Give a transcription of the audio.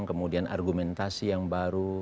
kemudian argumentasi yang baru